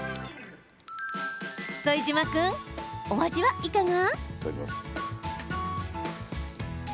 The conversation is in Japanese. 副島君、お味はいかが？